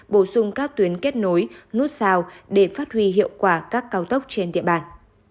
bổ sung các tuyến kết nối nút sao để phát huy hiệu quả các cao tốc trên địa bàn